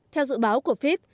theo dự báo của fit